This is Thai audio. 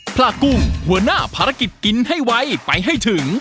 พระกุ้งหัวหน้าภารกิจกินให้ไวไปให้ถึง